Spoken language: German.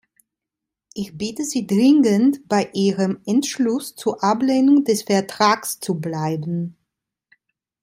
Ich bitte sie dringend, bei ihrem Entschluss zur Ablehnung des Vertrags zu bleiben.